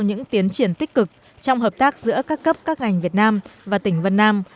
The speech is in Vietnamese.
những tiến triển tích cực trong hợp tác giữa các cấp các ngành việt nam và tỉnh vân nam